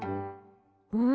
うん？